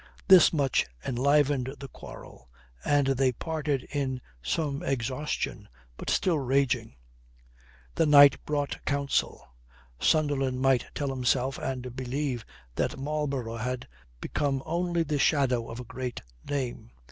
This much enlivened the quarrel, and they parted in some exhaustion, but still raging. The night brought counsel. Sunderland might tell himself and believe that Marlborough had become only the shadow of a great name.